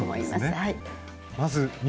はい。